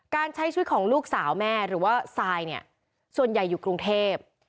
การใช้ชีวิตของลูกสาวแม่หรือว่าซายเนี่ยส่วนใหญ่อยู่กรุงเทพ